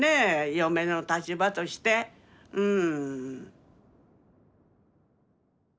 嫁の立場としてうん。